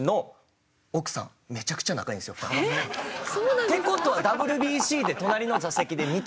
って事はＷＢＣで隣の座席で見て。